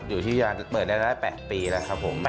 อยู่ที่ยานเปิดได้๘ปีแล้วครับผม